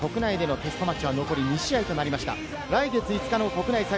国内でのテストマッチは残り２試合となりました。